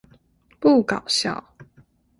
不搞笑